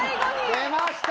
出ました！